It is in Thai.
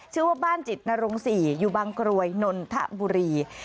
ชื่อว่าบ้านจิตนรง๔อยู่บางกรวยนนทบุรี